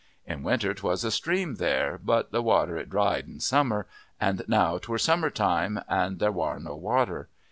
In winter 'twas a stream there, but the water it dried in summer, and now 'twere summer time and there wur no water.